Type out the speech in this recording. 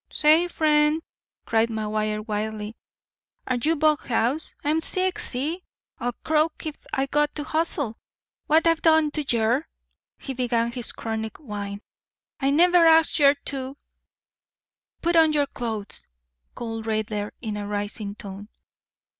"Say, friend," cried McGuire wildly, "are you bug house? I'm sick— see? I'll croak if I got to hustle. What've I done to yer?"—he began his chronic whine—"I never asked yer to—" "Put on your clothes," called Raidler in a rising tone.